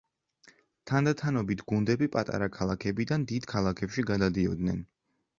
თანდათანობით, გუნდები პატარა ქალაქებიდან დიდ ქალაქებში გადადიოდნენ.